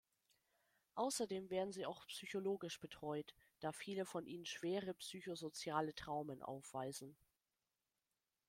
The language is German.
Außerdem werden sie auch psychologisch betreut, da viele von ihnen schwere psychosoziale Traumen aufweisen.